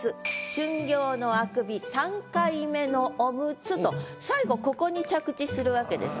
「春暁のあくび三回目のオムツ」と最後ここに着地するわけです。